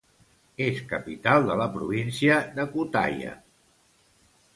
És capital de la província de Kütahya.